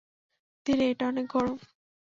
ধীরে, এটা অনেক গরম।